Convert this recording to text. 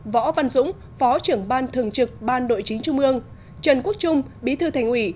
võ văn dũng phó trưởng ban thường trực ban nội chính trung ương trần quốc trung bí thư thành ủy